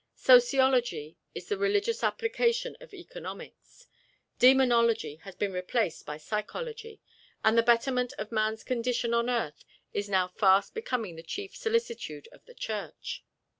Sociology is the religious application of economics. Demonology has been replaced by psychology, and the betterment of man's condition on earth is now fast becoming the chief solicitude of the Church.